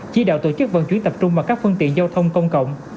chỉ đạo tổ chức vận chuyển tập trung vào các phương tiện giao thông công cộng